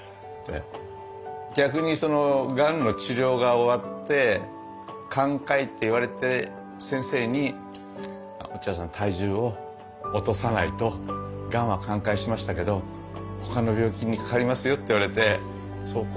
逆にそのがんの治療が終わって寛解って言われて先生に「落合さん体重を落とさないとがんは寛解しましたけど他の病気にかかりますよ」って言われてそこから７８キロ落としたんですかね。